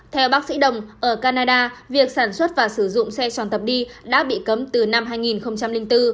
theo bác sĩ đồng ở canada việc sản xuất và sử dụng xe tròn tập đi đã bị cấm từ năm hai nghìn bốn